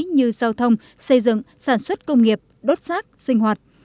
như giao thông xây dựng sản xuất công nghiệp đốt rác sinh hoạt